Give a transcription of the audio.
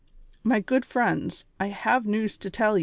85 "My good friends, I have news to tell ye.